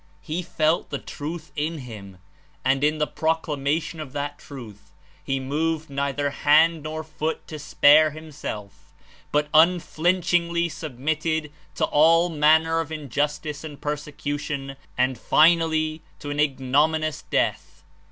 "He felt the Truth in him, and in the proclamation of that Truth, he moved neither hand nor foot to spare himself, but unflinchingly sub mitted to all manner of injustice and persecution, and finally, to an ignominous death."